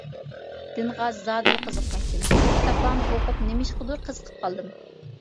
دىنغا زادىلا قىزىقمايتتىم، شۇ كىتابلارنى ئوقۇپ نېمىشقىدۇر قىزىقىپ قالدىم.